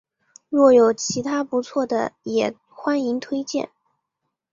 若有其他不错的也欢迎推荐